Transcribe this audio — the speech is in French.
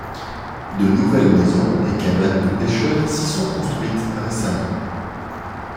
De nouvelles maisons et cabanes de pêcheurs s'y sont construites récemment.